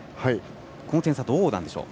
この点差、どうなんでしょう。